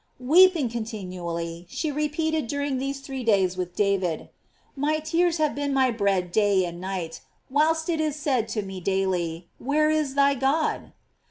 Weeping continually, she repeated during these three days with David: "My tears have been my bread day and night, whilst it is said to me daily, Where is thy God